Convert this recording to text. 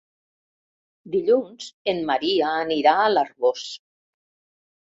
Dilluns en Maria anirà a l'Arboç.